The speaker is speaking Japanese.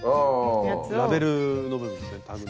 ラベルの部分ですねタグの。